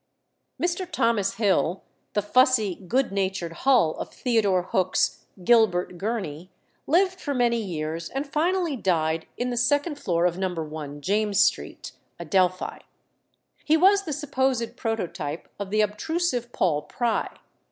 Mr. Thomas Hill, the fussy, good natured Hull of Theodore Hook's Gilbert Gurney, lived for many years and finally died in the second floor of No. 1 James Street, Adelphi. He was the supposed prototype of the obtrusive Paul Pry.